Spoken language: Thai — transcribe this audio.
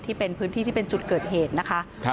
ที่เป็นพื้นที่ที่เป็นจุดเกิดเหตุนะคะ